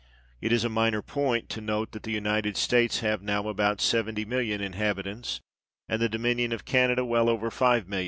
It is a minor point to note that the United States have now about 70,000,000 inhabitants, and the dominion of Canada well over 5,000,000.